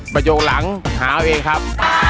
ประโยคหลังหาเอาเองครับ